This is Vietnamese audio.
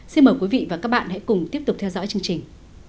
xin mời quý vị và các bạn hãy cùng tiếp tục theo dõi chương trình